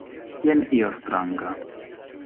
Jen io stranga.